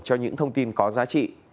cho những thông tin có giá trị